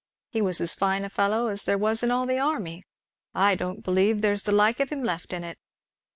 He was as fine a fellow as there was in all the army. I don't believe there's the like of him left in it."